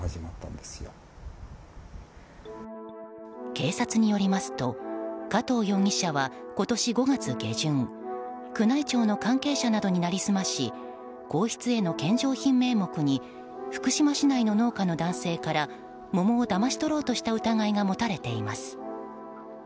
警察によりますと加藤容疑者は今年５月下旬宮内庁の関係者などに成り済まし皇室への献上品名目に福島市内の農家の男性から桃をだまし取ろうとした疑いが持たれています。